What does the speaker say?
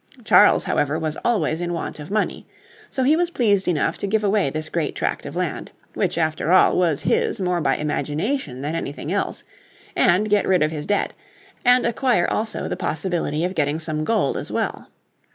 Charles however was always in want of money. So in 1681 he was pleased enough to give away this great tract of land, which after all was his more by imagination than anything else, and get rid of his debt; and acquire also the possibility of getting some gold as well.